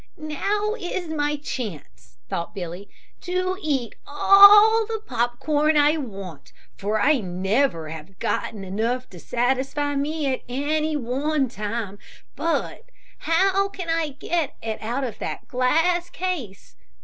"Now is my chance," thought Billy, "to eat all the pop corn I want, for I never have gotten enough to satisfy me at any one time, but how can I get it out of that glass case.